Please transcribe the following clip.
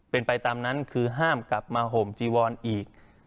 เป็นไปตามนั้นคือห้ามกลับมาห่มจีวอนอีก